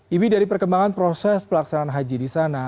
ibi dari perkembangan proses pelaksanaan haji di sana